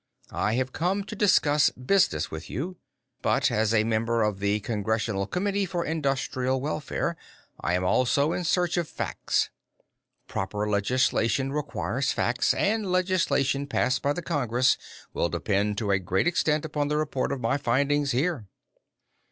I have come to discuss business with you. But, as a member of the Congressional Committee for Industrial Welfare, I am also in search of facts. Proper legislation requires facts, and legislation passed by the Congress will depend to a great extent upon the report on my findings here."